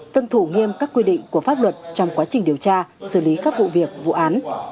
tân thủ nghiêm các quy định của pháp luật trong quá trình điều tra xử lý các vụ việc vụ án